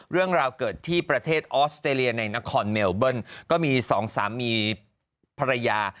เรื่องราวเกิดที่ประเทศออสเตรเลียในนครเมลเบิ้ลก็มีสองสามีภรรยา